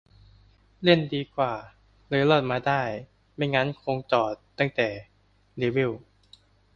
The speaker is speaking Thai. เล่นดีกว่า เลยรอดมาได้ ไม่งั้นคงจอดตั้งแต่เลเวล